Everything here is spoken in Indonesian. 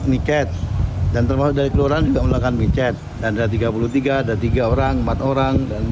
niket dan termasuk dari keluaran juga melakukan michat dan ada tiga puluh tiga ada tiga orang empat orang dan